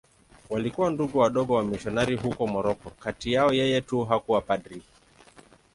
Walikuwa Ndugu Wadogo wamisionari huko Moroko.Kati yao yeye tu hakuwa padri.